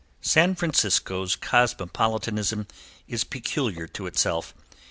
San Francisco's cosmopolitanism is peculiar to itself.